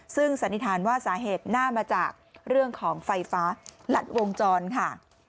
ซึ่งสันนิษฐานว่าสาเหตุน่าจะมาจากเรื่องของไฟฟ้าหลัดวงจรค่ะ